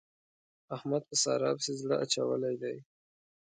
احمد په سارا پسې زړه اچولی دی.